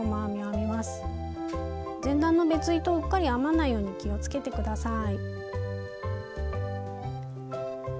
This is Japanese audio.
前段の別糸をうっかり編まないように気をつけて下さい。